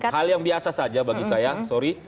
hal yang biasa saja bagi saya sorry